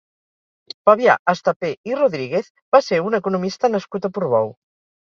Fabià Estapé i Rodríguez va ser un economista nascut a Portbou.